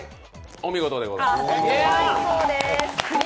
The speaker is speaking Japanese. お見事でございます。